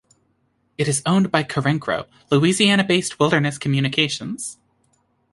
It is owned by Carencro, Louisiana-based Wilderness Communications.